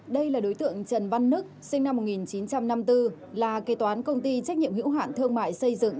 đây là đối tượng trần văn đức sinh năm một nghìn chín trăm năm mươi bốn là kế toán công ty trách nhiệm hữu hạn thương mại xây dựng